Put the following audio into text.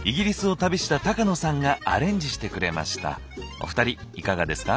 お二人いかがですか？